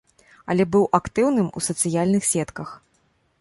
Але быў актыўным у сацыяльных сетках.